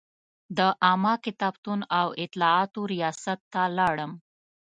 د عامه کتابتون او اطلاعاتو ریاست ته لاړم.